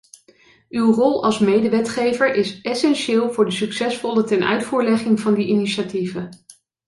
Uw rol als medewetgever is essentieel voor de succesvolle tenuitvoerlegging van die initiatieven.